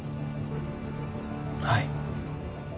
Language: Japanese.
はい。